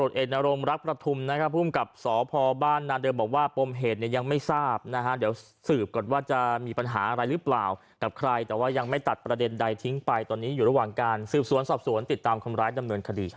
เราก็จะรู้สาเหตุไหมว่าไม่ทราบเลยค่ะ